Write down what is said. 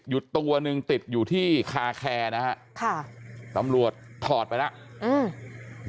ตัวหนึ่งติดอยู่ที่คาแคร์นะฮะค่ะตำรวจถอดไปแล้วอืม